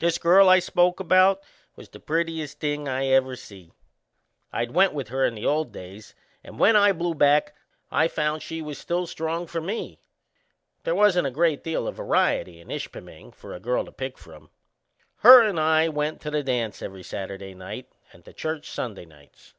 This girl I spoke about was the prettiest thing I ever see. I'd went with her in the old days, and when I blew back I found she was still strong for me. They wasn't a great deal o' variety in Ishpeming for a girl to pick from. Her and I went to the dance every Saturday night and to church Sunday nights.